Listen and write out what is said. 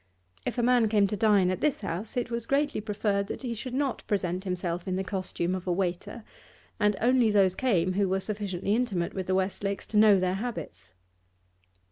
If a man came to dine at this house, it was greatly preferred that he should not present himself in the costume of a waiter, and only those came who were sufficiently intimate with the Westlakes to know their habits.